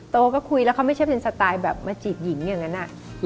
โตแล้วเค้าไม่ใช้สไตล์เจีบหญิงอย่างนั้น